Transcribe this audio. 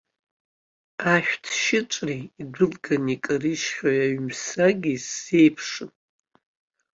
Ашәҭшьыҵәреи идәылганы икарыжьхьоу аҩымсаги сзеиԥшын.